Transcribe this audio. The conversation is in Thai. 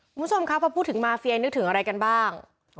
คุณผู้ชมครับพอพูดถึงมาเฟียนึกถึงอะไรกันบ้าง